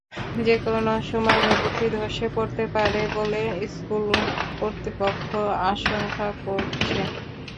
যেকোনো সময় ভবনটি ধসে পড়তে পারে বলে স্কুল কর্তৃপক্ষ আশঙ্কা করছে।